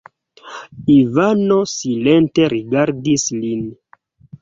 Ivano silente rigardis lin.